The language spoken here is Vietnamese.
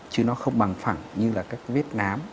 chứ nó không bằng phẳng như là các vết nám